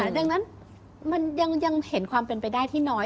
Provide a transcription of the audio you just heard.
ดังนั้นมันยังเห็นความเป็นไปได้ที่น้อย